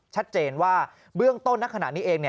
ชัดเจนว่าเบื้องต้นณขณะนี้เอง